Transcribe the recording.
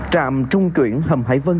trạm trung chuyển hầm hải vân